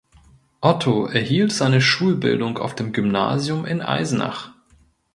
Otto erhielt seine Schulbildung auf dem Gymnasium in Eisenach.